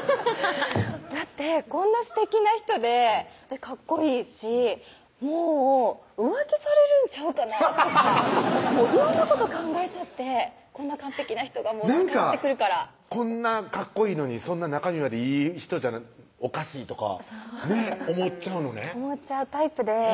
だってこんなすてきな人でかっこいいしもう浮気されるんちゃうかなとか色んなこと考えちゃってこんな完璧な人が近寄ってくるからこんなかっこいいのに中身までいい人じゃおかしいとかねっ思っちゃうのね思っちゃうタイプでへぇ！